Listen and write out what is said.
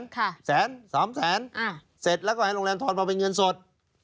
ฆ่าแสนสามแสนเสร็จแล้วก็ให้ทนมาเป็นเงินสด